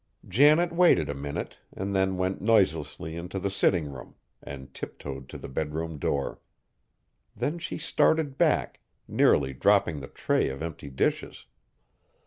Janet waited a minute and then went noiselessly into the sitting room, and tiptoed to the bedroom door. Then she started back, nearly dropping the tray of empty dishes.